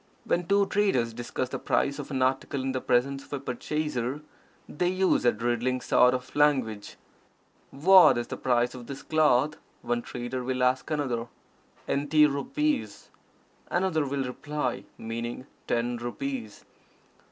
When two traders discuss the price of an article in the presence of a purchaser, they use a riddling sort of language. "What is the price of this cloth?" one trader will ask another. "Enty rupees," another will reply, meaning "ten rupees."